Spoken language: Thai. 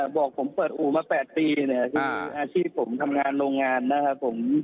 บอกผมเปิดอูมา๘ปีอาชีพผมทำงานโรงงานนะครับผม